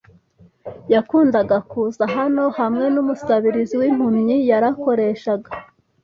yakundaga kuza hano hamwe n'umusabirizi w'impumyi, yarakoreshaga. ”